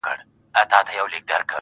ښه اخلاق د عزت نښه ده.